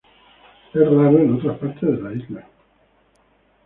Es raro en otras partes de la isla.